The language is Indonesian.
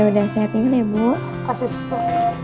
ya udah saya tinggal dulu ya